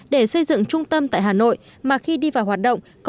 để xây dựng trung tâm tại hà nội mà khi đi vào hoạt động